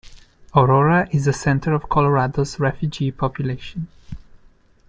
Aurora is a center of Colorado's refugee population.